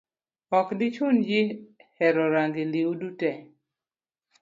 Ok dichun ji hero rangi liudute.